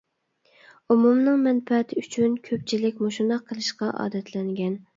ئومۇمنىڭ مەنپەئەتى ئۈچۈن كۆپچىلىك مۇشۇنداق قىلىشقا ئادەتلەنگەن.